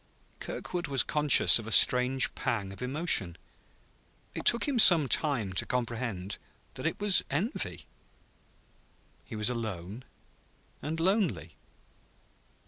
Kirkwood was conscious of a strange pang of emotion. It took him some time to comprehend that it was envy. He was alone and lonely.